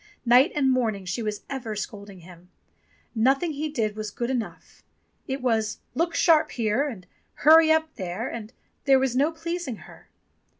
Night and morn ing she was for ever scolding him. Nothing he did was good enough. It was "Look sharp here" and "Hurry up there," and there was no pleasing her.